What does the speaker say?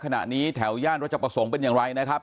ในที่จะเป็นอย่างไรนะครับ